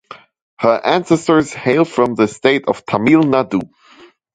Her ancestors hail from the state of Tamil Nadu.